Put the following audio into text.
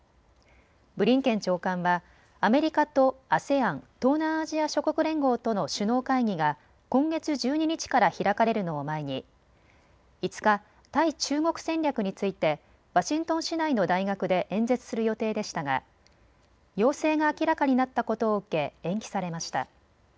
ブリンケン長官はアメリカとＡＳＥＡＮ・東南アジア諸国連合との首脳会議が今月１２日から開かれるのを前に５日、対中国戦略についてワシントン市内の大学で演説する予定でしたが陽性が明らかになったことを受け延期されました。